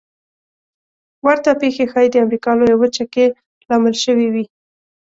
ورته پېښې ښايي د امریکا لویه وچه کې لامل شوې وي.